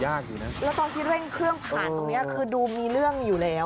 ถ้าอยู่ในหมู่บ้านเดียวกันแล้ว